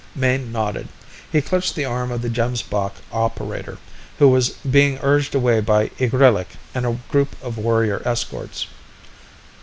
Mayne nodded. He clutched the arm of the Gemsbok operator, who was being urged away by Igrillik and a group of warrior escorts.